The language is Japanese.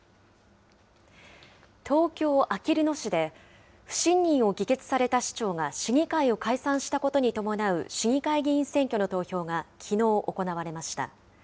東京・あきる野市で、不信任を議決された市長が市議会を解散したことに伴う市議会議員選挙の投票がきのう行われました。